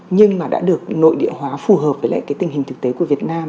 nhưng mà đã được nội địa hóa phù hợp với tình hình thực tế của việt nam